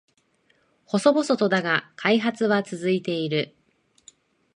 細々とだが開発は続いている